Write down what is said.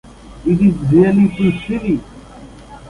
It is really too silly.